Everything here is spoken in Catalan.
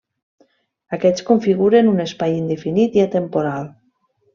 Aquests configuren un espai indefinit i atemporal.